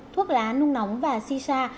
thuốc lá nung nóng và si sa